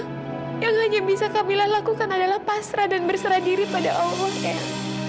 kamila yang hanya bisa kamila lakukan adalah pasrah dan berserah diri pada allah eyang